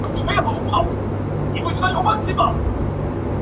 中共中央党校经济管理系毕业。